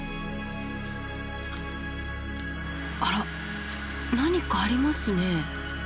あら何かありますね。